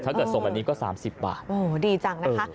ถ้าเกิดส่งกับนี้ก็๓๐บาทดีจังนะฮะ